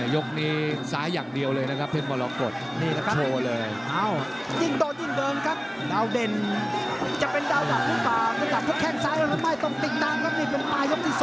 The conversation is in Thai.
ยกนี้ซ้ายังเดียวเลยนะครับเพลงมะรองกรดโชว์เลย